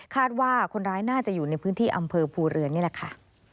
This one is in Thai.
คาดว่าคนร้ายน่าจะอยู่ในพื้นที่อำเภอภูเรือนนี่แหละค่ะ